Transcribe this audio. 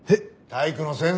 体育の先生。